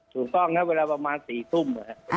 ถูกต้องนะเวลาประมาณ๔ทุ่ม